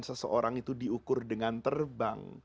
seseorang itu diukur dengan terbang